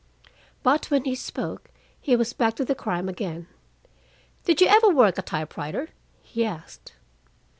But when he spoke, he was back to the crime again: "Did you ever work a typewriter?" he asked.